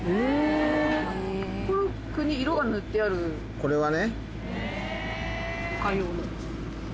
これはね。